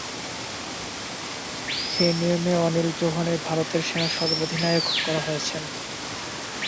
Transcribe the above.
সেই নিয়মেই অনিল চৌহানকে ভারতের সেনা সর্বাধিনায়ক করা হয়েছে।